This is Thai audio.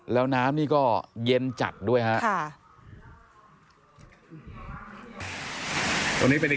แล้วน้ำนี่ก็เย็นจัดด้วยครับ